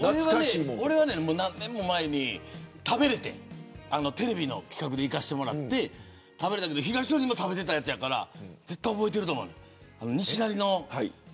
俺は何年も前にテレビの企画で行かせてもらって食べれたけどひがりのりも食べてたやつやから覚えてると思う。